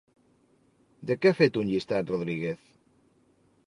De què ha fet un llistat Rodríguez?